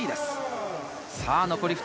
残り２人。